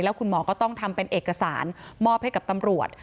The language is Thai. คุณหมอก็ต้องทำเป็นเอกสารมอบให้กับตำรวจ